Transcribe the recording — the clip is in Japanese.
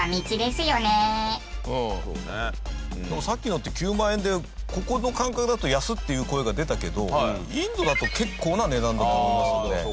さっきのって９万円でここの感覚だと「安っ！」っていう声が出たけどインドだと結構な値段だと思いますので。